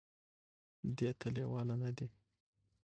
دې ته لېواله نه دي ،